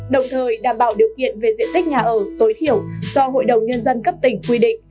đồng thời đảm bảo điều kiện về diện tích nhà ở tối thiểu do hội đồng nhân dân cấp tỉnh quy định